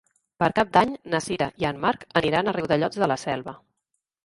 Per Cap d'Any na Sira i en Marc aniran a Riudellots de la Selva.